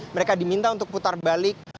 mereka diminta untuk putar balik